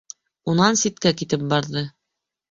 Унан ситкә китеп барҙы.